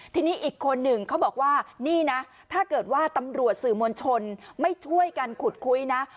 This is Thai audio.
ทีนี้อีกคนหนึ่งเขาบอกว่านี่นะถ้าเกิดว่าตำรวจสื่อมวลชนไม่ช่วยกันขุดคุยนะ